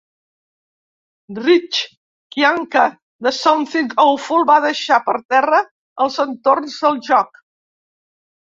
Rich Kyanka de Something Awful va deixar per terra els entorns del joc.